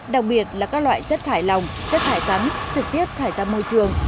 đặc biệt là các loại chất thải lòng chất thải rắn trực tiếp thải ra môi trường